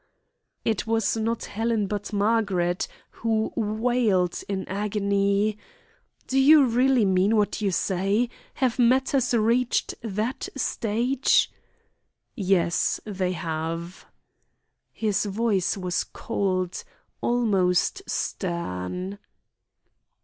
It was not Helen but Margaret who wailed in agony: "Do you really mean what you say? Have matters reached that stage?" "Yes, they have." His voice was cold, almost stern.